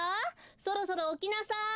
そろそろおきなさい！